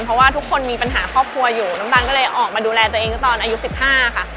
เพราะว่าทุกคนมีปัญหาครอบครัวอยู่น้ำตาลก็เลยออกมาดูแลตัวเองตอนอายุ๑๕ค่ะ